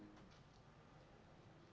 saya juga mau